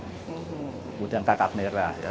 kemudian kakak merah ya